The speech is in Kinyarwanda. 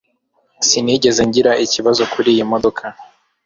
Sinigeze ngira ikibazo kuriyi modoka